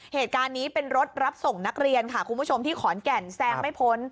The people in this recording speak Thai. เหตุการณ์นี้เป็นรถรับส่งนักเรียนค่ะคุณผู้ชมที่ขอนแก่นแซงไม่พ้น